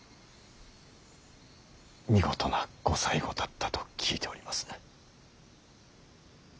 見事なご最期だったと聞いております。